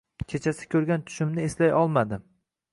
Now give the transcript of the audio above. Kechasi ko‘rgan tushimni eslay olmadim.